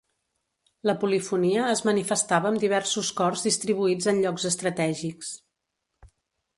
La polifonia es manifestava amb diversos cors distribuïts en llocs estratègics.